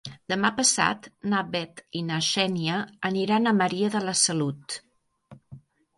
Demà passat na Bet i na Xènia aniran a Maria de la Salut.